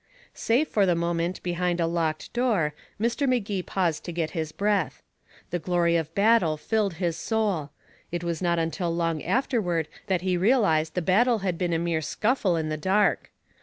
Safe for the moment behind a locked door, Mr. Magee paused to get his breath. The glory of battle filled his soul. It was not until long afterward that he realized the battle had been a mere scuffle in the dark.